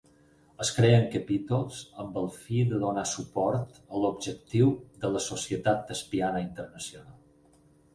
Es creen capítols amb el fi de donar suport a l'objectiu de la Societat Tespiana Internacional.